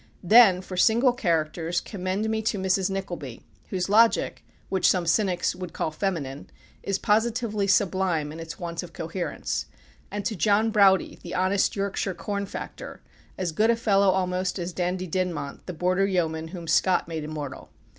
Then for single characters commend me to Mrs. Nickleby, whose logic, which some cynics would call feminine, is positively sublime in its want of coherence; and to John Browdie, the honest Yorkshire cornfactor, as good a fellow almost as Dandie Dinmont, the Border yeoman whom Scott made immortal.